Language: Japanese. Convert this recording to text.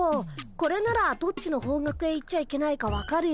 これならどっちの方角へ行っちゃいけないか分かるよ。